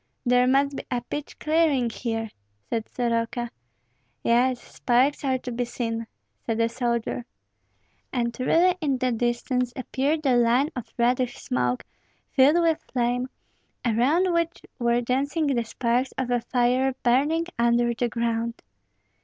"There must be a pitch clearing here," said Soroka. "Yes, sparks are to be seen," said a soldier. And really in the distance appeared a line of reddish smoke, filled with flame, around which were dancing the sparks of a fire burning under the ground.